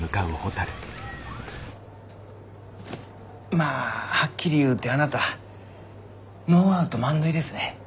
まあはっきり言うてあなたノーアウト満塁ですね。